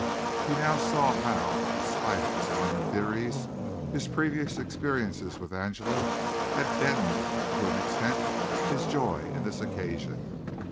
He now saw how, in spite of his fine theories, his previous experiences with Angela had deadened to an extent his joy in this occasion.